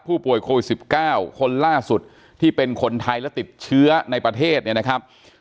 ผู้ป่วยโควิด๑๙คนล่าสุดที่เป็นคนไทยและติดเชื้อในประเทศเนี่ยนะครับ